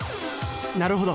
なるほど。